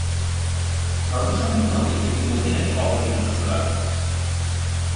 সর্ব সম্মত মতে এটি মদীনায় অবতীর্ণ সূরা।